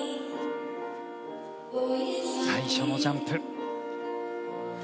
最初のジャンプ。